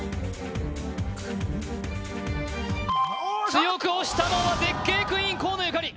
強く押したのは絶景クイーン河野ゆかり